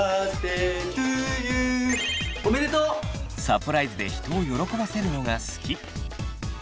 サプライズで人を喜ばせるのが好き。